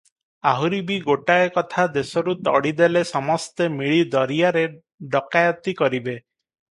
ଆହୁରି ବି ଗୋଟାଏ କଥା, ଦେଶରୁ ତଡ଼ି ଦେଲେ ସମସ୍ତେ ମିଳି ଦରିଆରେ ଡକାଏତି କରିବେ ।